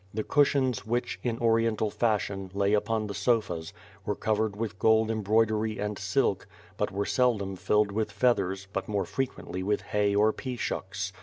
The cushions which, in Oriental fashion^ lay upon the sofas, were covered v/ith gold embroid ery, and silk, but were seldom tilled with feathers, but more frequently with hay or pea shucks.